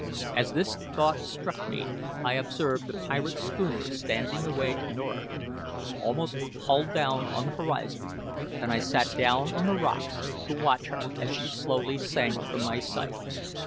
As this thought struck me, I observed the pirate schooner standing away to the nor'ard, almost hull down on the horizon, and I sat down on the rocks to watch her as she slowly sank from my sight.